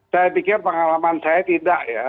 saya pikir pengalaman saya tidak ya